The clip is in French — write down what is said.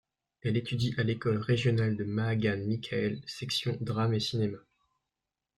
Elle étudie à l'école régionale de Maagan Mikhaël, section drame et cinéma.